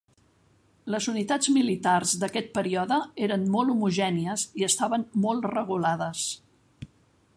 Les unitats militars d'aquest període eren molt homogènies i estaven molt regulades.